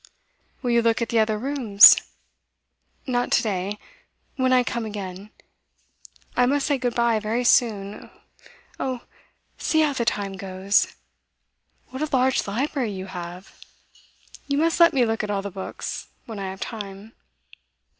'Will you look at the other rooms?' 'Not to day when I come again. I must say good bye very soon oh, see how the time goes! What a large library you have! You must let me look at all the books, when I have time.